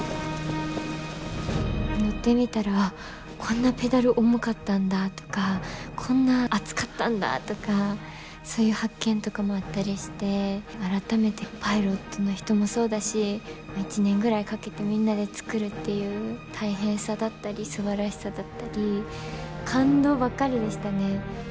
乗ってみたらこんなペダル重かったんだとかこんな暑かったんだとかそういう発見とかもあったりして改めてパイロットの人もそうだし１年ぐらいかけてみんなで作るっていう大変さだったりすばらしさだったり感動ばっかりでしたね。